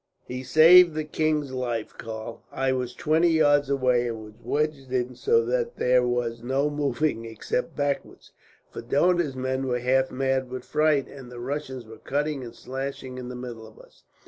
"He saved the king's life, Karl. I was twenty yards away, and was wedged in so that there was no moving, except backwards; for Dohna's men were half mad with fright, and the Russians were cutting and slashing in the middle of us."